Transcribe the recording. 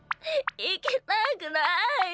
いきたくないよ。